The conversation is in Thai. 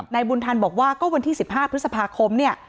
บุญทันบอกว่าก็วันที่๑๕พฤษภาคมเนี่ย